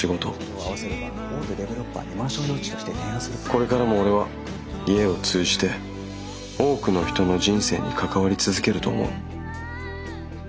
これからも俺は家を通じて多くの人の人生に関わり続けると思う。